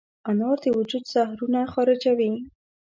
انار د وجود زهرونه خارجوي.